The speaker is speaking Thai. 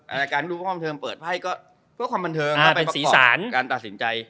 อ่าแต่การดูความบันเทิงเปิดไพ่ก็เพื่อความบันเทิงอ่าเป็นสีสารการตัดสินใจ